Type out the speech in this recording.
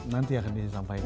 nanti akan disampaikan